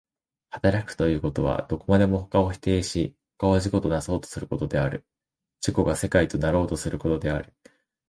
働くということは、どこまでも他を否定し他を自己となそうとすることである、自己が世界となろうとすることである。